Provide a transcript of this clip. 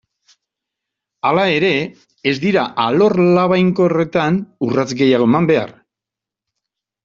Hala ere, ez dira alor labainkorretan urrats gehiago eman behar.